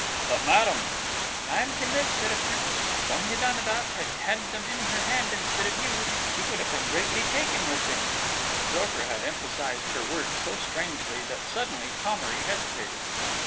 "But, madame!..." "And I am convinced that if Princess Sonia Danidoff had had them in her hand instead of you, she would have been greatly taken with them!" The broker had emphasised her words so strangely that, suddenly, Thomery hesitated.